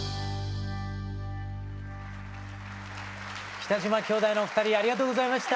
北島兄弟のお二人ありがとうございました。